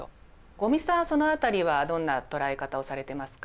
五味さんその辺りはどんな捉え方をされてますか？